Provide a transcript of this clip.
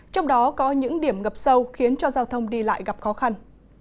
trong đó có những điểm ngập sâu khiến cho giao thông đi lại gặp khó khăn